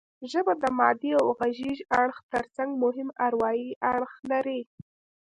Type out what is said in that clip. ژبه د مادي او غږیز اړخ ترڅنګ مهم اروايي اړخ لري